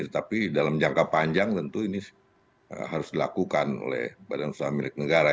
tapi dalam jangka panjang tentu ini harus dilakukan oleh badan usaha milik negara